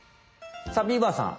さあビーバーさん！